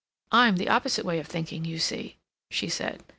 "I'm the opposite way of thinking, you see," she said.